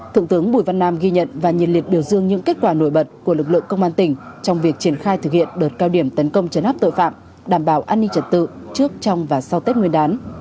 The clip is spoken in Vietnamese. thượng tướng bùi văn nam ghi nhận và nhiệt liệt biểu dương những kết quả nổi bật của lực lượng công an tỉnh trong việc triển khai thực hiện đợt cao điểm tấn công chấn áp tội phạm đảm bảo an ninh trật tự trước trong và sau tết nguyên đán